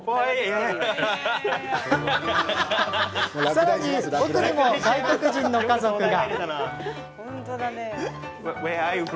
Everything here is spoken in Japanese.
さらに奥にも、外国人の家族が。